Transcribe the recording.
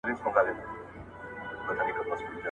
• کوز په ټوخي نه ورکېږي.